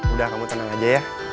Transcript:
udah kamu tenang aja ya